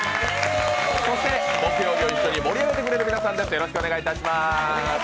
そして、木曜日を一緒に盛り上げてくれる皆さんです。